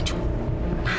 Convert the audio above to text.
kamu udah gila pak